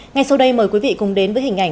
ngay sau đây mời quý vị cùng đến với hình ảnh